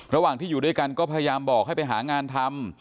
ระหว่างที่อยู่ด้วยกันก็พยายามบอกให้ไปหางานทำ